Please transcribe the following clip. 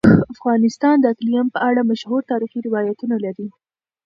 افغانستان د اقلیم په اړه مشهور تاریخی روایتونه لري.